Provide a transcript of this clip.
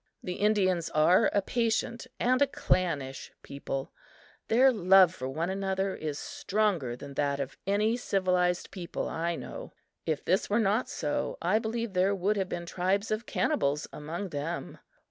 The Indians are a patient and a clannish people; their love for one another is stronger than that of any civilized people I know. If this were not so, I believe there would have been tribes of cannibals among them.